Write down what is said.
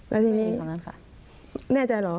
แล้วทีนี้แน่ใจหรอ